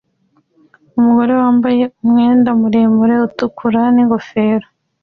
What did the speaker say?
Umugore wambaye umwenda muremure utukura n'ingofero